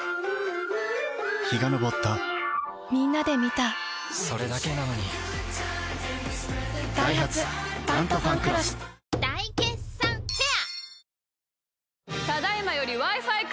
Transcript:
陽が昇ったみんなで観たそれだけなのにダイハツ「タントファンクロス」大決算フェア